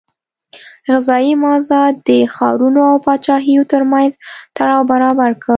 غذایي مازاد د ښارونو او پاچاهیو ترمنځ تړاو برابر کړ.